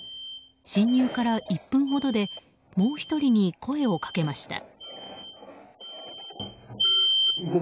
侵入から１分ほどでもう１人に声をかけました。